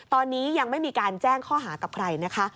ตอนนี้ยังไม่มีการแจ้งข้อหากับใครนะคะ